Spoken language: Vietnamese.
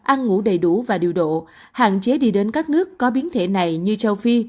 ăn ngủ đầy đủ và điều độ hạn chế đi đến các nước có biến thể này như châu phi